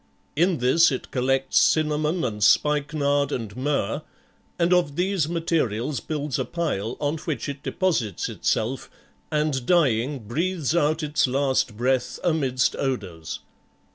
In this it collects cinnamon, and spikenard, and myrrh, and of these materials builds a pile on which it deposits itself, and dying, breathes out its last breath amidst odors.